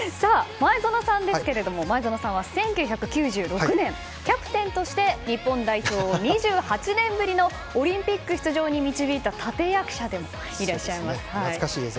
前園さんは１９９６年キャプテンとして日本代表を２８年ぶりのオリンピック出場に導いた立役者でいらっしゃいます。